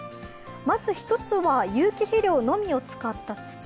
まず１つは、有機肥料のみを使った土。